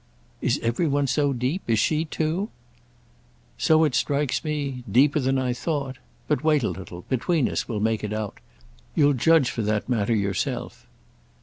"Is every one so deep? Is she too?" "So it strikes me deeper than I thought. But wait a little—between us we'll make it out. You'll judge for that matter yourself."